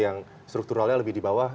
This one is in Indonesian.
yang strukturalnya lebih di bawah